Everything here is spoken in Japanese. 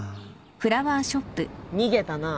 逃げたな。